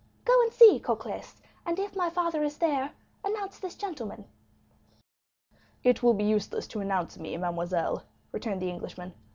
"Go and see, Cocles, and if my father is there, announce this gentleman." "It will be useless to announce me, mademoiselle," returned the Englishman.